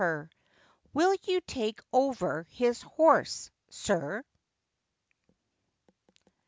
ii WILL YOU TAKE OVER HIS HORSE, SIR?